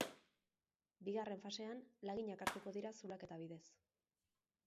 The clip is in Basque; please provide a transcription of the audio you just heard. Bigarren fasean laginak hartuko dira zulaketa bidez.